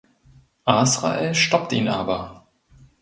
Azrael stoppt ihn aber.